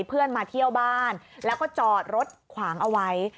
เพื่อนมาเที่ยวบ้านแล้วก็จอดรถขวางเอาไว้